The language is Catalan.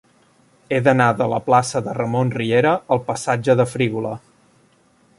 He d'anar de la plaça de Ramon Riera al passatge de Frígola.